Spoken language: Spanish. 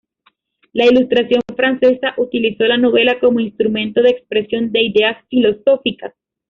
La ilustración francesa utilizó la novela como instrumento de expresión de ideas filosóficas.